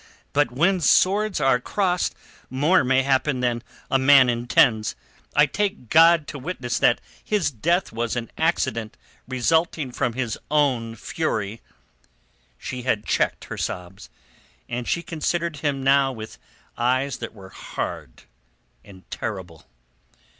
But when swords are crossed more may happen than a man intends. I take God to witness that his death was an accident resulting from his own fury." She had checked her sobs, and she considered him now with eyes that were hard and terrible.